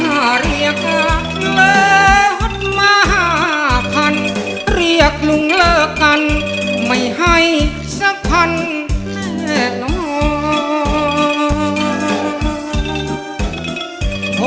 ถ้าเรียกเหลือมาหาพันเรียกลุงเหลือกันไม่ให้สักพันแน่หรอก